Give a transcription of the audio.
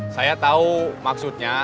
saya tau maksudnya